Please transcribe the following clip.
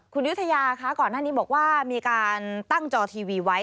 คุณยุธยาคะก่อนหน้านี้บอกว่ามีการตั้งจอทีวีไว้